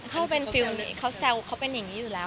เขาเป็นฟิลล์นี้เขาแซวเขาเป็นอย่างนี้อยู่แล้ว